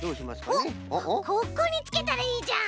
おっここにつけたらいいじゃん。